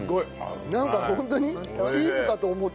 なんかホントにチーズかと思っちゃう。